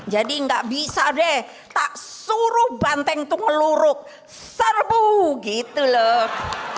jadi nggak bisa deh tak suruh banteng tuh ngeluruk serbu gitu loh